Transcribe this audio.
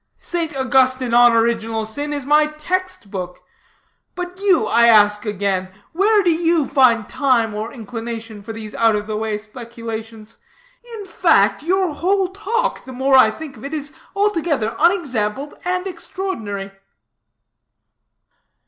"St. Augustine on Original Sin is my text book. But you, I ask again, where do you find time or inclination for these out of the way speculations? In fact, your whole talk, the more I think of it, is altogether unexampled and extraordinary."